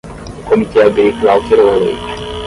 O Comitê Agrícola alterou a lei